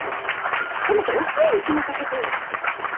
せめてお寿恵に決めさせてよ。